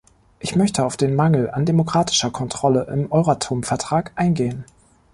Ich möchte auf den Mangel an demokratischer Kontrolle im Euratom-Vertrag eingehen.